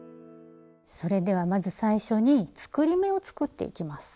それではまず最初に作り目を作っていきます。